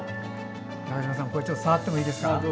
中島さん、これちょっと触ってもいいですか？